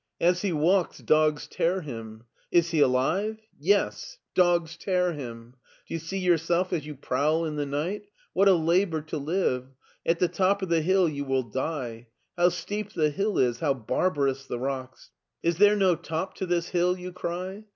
As he walks, dogs tear him. Is he alive? Yes! Dogs tear him. Do you see yourself as you prowl in the night? What a labor to live* At the top of the hill you will die. How steep the hill is, how barbarous the rocks !' Is there no top to this hill,' you cry.